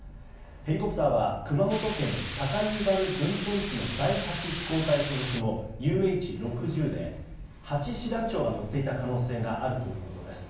ヘリコプターは熊本県高遊原分屯地所属の第８飛行隊所属のＵＨ‐６０で８師団長が乗っていた可能性があるということです。